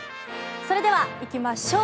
それでは行きましょう。